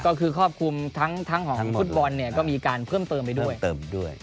ก็คือครอบคลุมทั้งของฟุตบอลเนี่ยก็มีการเพิ่มเติมไปด้วย